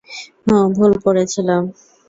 হুম, ভুল করেছিলাম।